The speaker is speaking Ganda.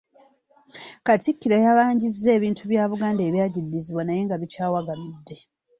Katikkiro yabanjizza ebintu bya Buganda ebyagiddizibwa naye nga bikyawagamidde.